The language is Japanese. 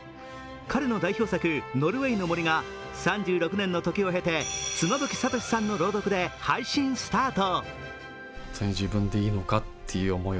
彼の代表作「ノルウェイの森」が３６年の時を経て妻夫木聡さんの朗読で配信スタート。